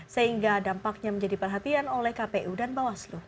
sehingga dampaknya menjadi perhatian oleh kpu dan bawaslu